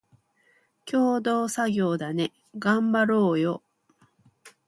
共同作業だね、がんばろーよ